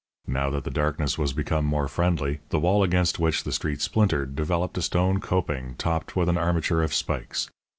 Now that the darkness was become more friendly, the wall against which the street splintered developed a stone coping topped with an armature of spikes.